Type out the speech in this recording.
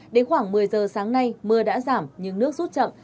đến khoảng một mươi giờ sáng nay mưa đã giảm nhưng nước rút chậm